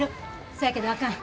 そやけどあかん。